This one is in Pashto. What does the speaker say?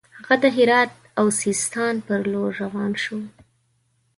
هغه د هرات او سیستان پر لور روان شو.